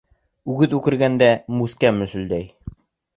Үгеҙ үкергәндә, мүскә мөскөлдәй.